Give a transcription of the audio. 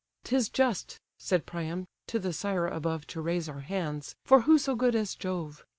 "'Tis just (said Priam) to the sire above To raise our hands; for who so good as Jove?"